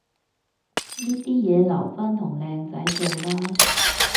呢啲嘢留返同靚仔做啦